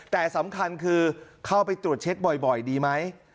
แต่สำคัญคือเข้าไปตรวจเช็คบ่อยดีไหม